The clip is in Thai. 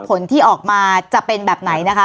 ผลที่ออกมาจะเป็นแบบไหนนะคะ